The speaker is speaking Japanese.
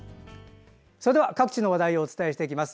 それでは各地の話題をお伝えしていきます。